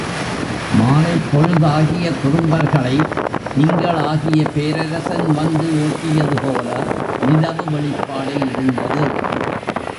மாலைப் பொழுதாகிய குறும்பர்களைத் திங்கள் ஆகிய பேரரசன் வந்து ஓட்டியது போல நிலவு வெளிப்பாடு இருந்தது.